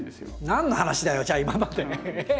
何の話だよじゃあ今まで。え？